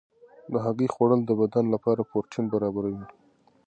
د هګۍ خوړل د بدن لپاره پروټین برابروي.